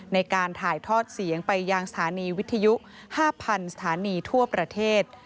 ในการถ่ายทอดเสียงไปยังสถานีวิทยุ๕๐๐๐สถานีทั่วประเทศ